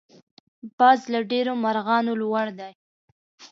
باز له ډېرو مرغانو لوړ دی